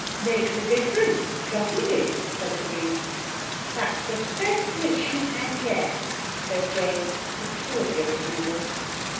"Makes a difference, doesn't it?" said the Queen. "That's the best wish you've had yet," said Jane with cordial approval.